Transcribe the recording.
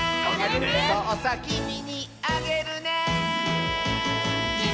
「そうさきみにあげるね」